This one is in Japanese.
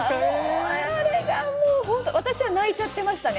あれは、もう本当に私は泣いちゃっていましたね